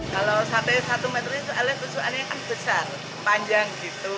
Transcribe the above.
kalau sate satu meter itu alih keusuhan yang besar panjang